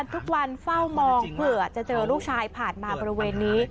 เฝ้ามองเผื่อจะเจอลูกชายผ่านมาบริเวณนี้